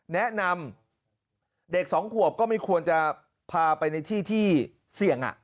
แนะนำเด็กสองขวบก็ไม่ควรจะพาไปในที่ที่เสี่ยง